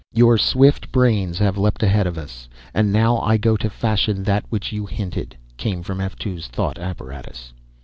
"Your swift brains have leapt ahead of us, and now I go to fashion that which you hinted," came from F 2's thought apparatus.